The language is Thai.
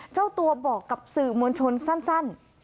เจ้าตัวบอกกับสื่อมวลชนสั้น